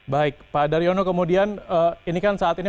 baik pak daryono kemudian ini kan saat ini